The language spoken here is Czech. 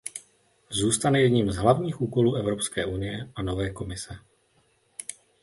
Zůstane jedním z hlavních úkolů Evropské unie a nové Komise.